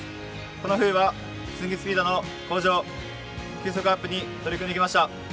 この冬はスイングスピードの向上球速アップに取り組んできました。